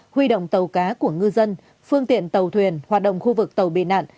huy động tàu cá của ngư dân phương tiện tàu thuyền hoạt động khu vực tàu bị nạn